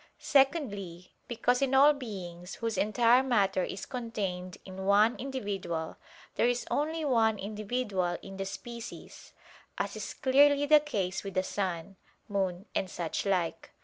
Secondly, because in all beings whose entire matter is contained in one individual there is only one individual in the species: as is clearly the case with the sun, moon and such like.